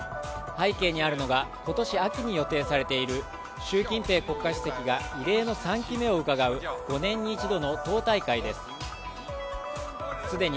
背景にあるのが今年秋に予定されている習近平国家主席が異例の３期目をうかがう５年に１度の党大会です。